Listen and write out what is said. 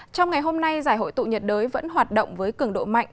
trong ngày hôm nay giải hội tụ nhiệt đới vẫn hoạt động với cường độ mạnh